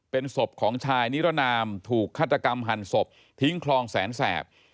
เป็นศพของชายนิรนามถูกฆาตกรรมหั่นศพทิ้งคลองแสนแสบ